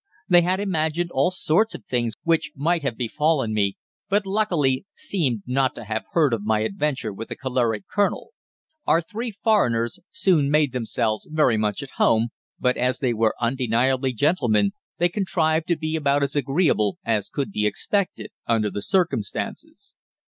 They had imagined all sorts of things which might have befallen me, but luckily seemed not to have heard of my adventure with the choleric colonel. Our three foreigners soon made themselves very much at home, but as they were undeniably gentlemen, they contrived to be about as agreeable as could be expected under the circumstances.